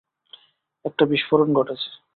একটা বিস্ফোরণ ঘটেছে।